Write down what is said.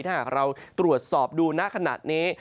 ถ้าเราตรวจสอบดูหน้าขนาดนี้